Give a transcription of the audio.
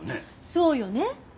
そうよね。